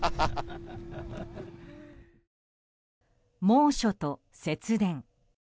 猛暑と節電。